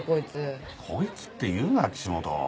こいつって言うな岸本。